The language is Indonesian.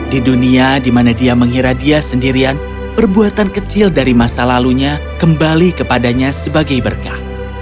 di dunia di mana dia mengira dia sendirian perbuatan kecil dari masa lalunya kembali kepadanya sebagai berkah